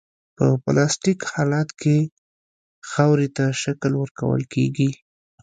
په پلاستیک حالت کې خاورې ته شکل ورکول کیږي